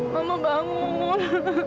ma mama bangun